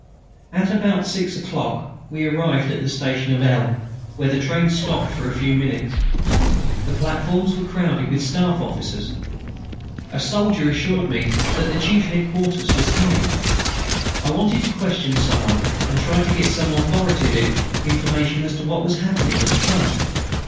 At about six o'clock we arrived at the station of L., where the train stopped for a few minutes. The platforms were crowded with Staff officers. A soldier assured me that the chief Headquarters were here. I wanted to question some one and try to get some authoritative information as to what was happening at the Front.